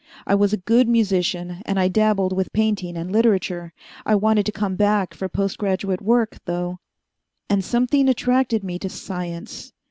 I was a good musician, and I dabbled with painting and literature. I wanted to come back for post graduate work, though, and something attracted me to science.